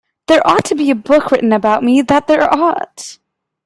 There ought to be a book written about me, that there ought!